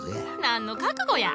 何の覚悟や。